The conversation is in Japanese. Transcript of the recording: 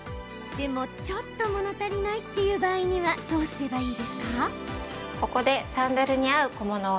でも、ちょっともの足りないという場合にはどうすればいいの？